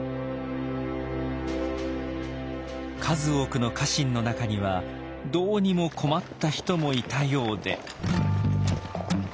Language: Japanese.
数多くの家臣の中にはどうにも困った人もいたようで。